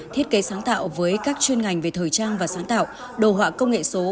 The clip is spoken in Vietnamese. thiết kế sáng tạo với các chuyên ngành về thời trang và sáng tạo đồ họa công nghệ số